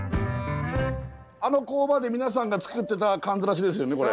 あの工場で皆さんが作ってたかんざらしですよねこれ。